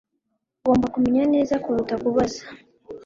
Ugomba kumenya neza kuruta kubaza